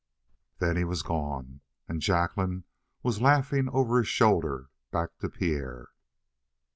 Then he was gone, and Jacqueline was laughing over his shoulder back to Pierre.